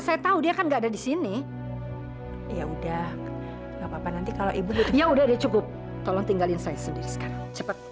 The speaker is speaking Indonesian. saya harus mengusir lewat untuk bisa ikutnya